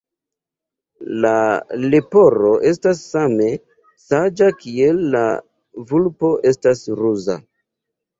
La leporo estas same saĝa kiel la vulpo estas ruza.